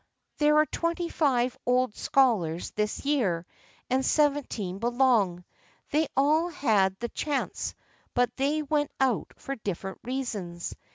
There are twenty five old scholars this year, and seventeen belong. They all had the chance, but they went out for different reasons.